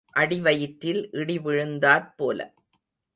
அடிவயிற்றில் இடி விழுந்தாற் போல.